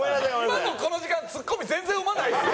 今のこの時間ツッコミ全然うまないですよ。